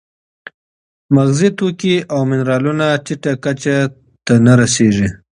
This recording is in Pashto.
مغذي توکي او منرالونه ټیټه کچه ته نه رسېږي.